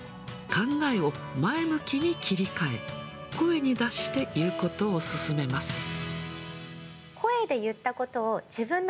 考えを前向きに切り替え、声に出して言うことを勧めます。